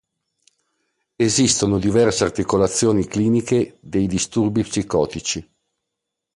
Esistono diverse articolazioni cliniche dei disturbi psicotici.